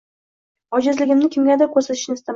Ojizligimni kimgadir ko‘rsatishni istamadim.